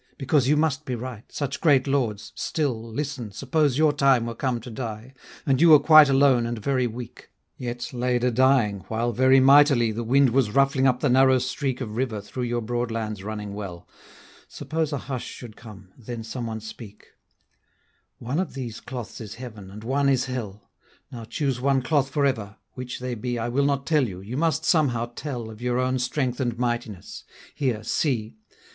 Because you must be right, such great lords; still Listen, suppose your time were come to die, And you were quite alone and very weak; Yea, laid a dying while very mightily The wind was ruffling up the narrow streak Of river through your broad lands running well: Suppose a hush should come, then some one speak: 'One of these cloths is heaven, and one is hell, Now choose one cloth for ever; which they be, I will not tell you, you must somehow tell Of your own strength and mightiness; here, see!'